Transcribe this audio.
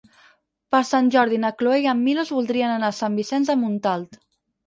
Per Sant Jordi na Cloè i en Milos voldrien anar a Sant Vicenç de Montalt.